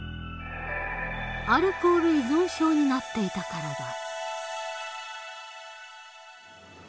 アルコール依存症になっていたからだ。